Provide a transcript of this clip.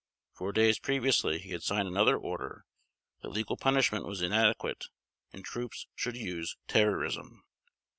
Four days previously he had signed another order that legal punishment was inadequate and troops should use terrorism.